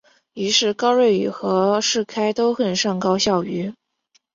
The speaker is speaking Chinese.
于是高睿与和士开都恨上高孝瑜。